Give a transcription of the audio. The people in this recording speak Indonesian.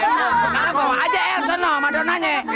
sekarang bawa aja ellson no madonnanya